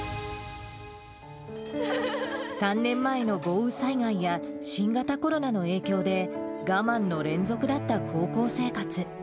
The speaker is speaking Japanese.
３年前の豪雨災害や、新型コロナの影響で、我慢の連続だった高校生活。